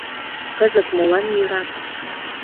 Кызыт молан йӧра?